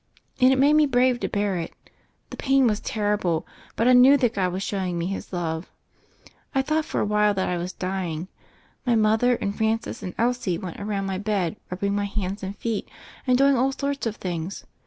And it made me brave to bear it. The pain was terrible, but I knew that God was showing me His love. I thought for a while that I was dying. My mother and Francis and Elsie were around my bed rubbing my hands and feet, and doing all sorts of things.